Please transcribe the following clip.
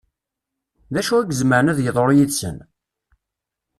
D acu i izemren ad d-yeḍru yid-sen?